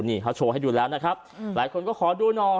นี่เขาโชว์ให้ดูแล้วหลายคนก็ขอดูนอน